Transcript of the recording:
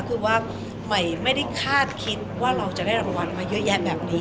คือว่าใหม่ไม่ได้คาดคิดว่าเราจะได้รางวัลมาเยอะแยะแบบนี้